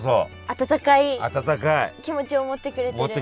温かい気持ちを持ってくれてる？